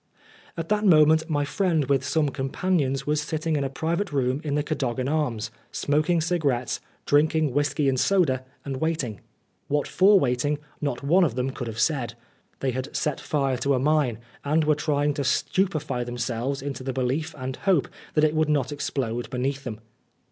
At that moment my friend with some companions was sitting in a private room in the Cadogan Arms, smoking cigarettes, drinking whisky and soda, and waiting. What for waiting, not one of them could have said. They had set fire to a mine, and were trying to stupefy themselves into the belief and hope that it would not explode beneath them.